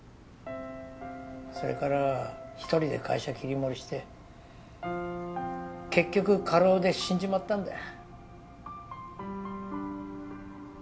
それから１人で会社切り盛りして結局過労で死んじまったんだよ。